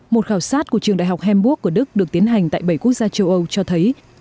một khảo sát của trường đại học hamburg của đức được tiến hành tại bảy quốc gia châu âu cho thấy